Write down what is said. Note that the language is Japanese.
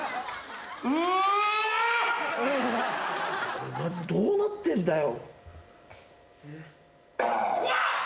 これマジどうなってんだよ？